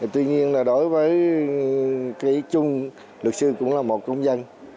tuy nhiên là đối với cái chung luật sư cũng là một công dân